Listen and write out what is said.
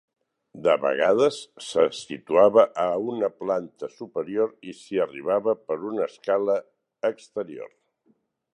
De vegades se situava a una planta superior i s'hi arribava per una escala exterior.